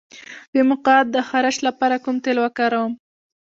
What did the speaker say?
د مقعد د خارش لپاره کوم تېل وکاروم؟